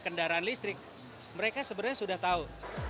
kendaraan listrik mereka sebenarnya sudah tahu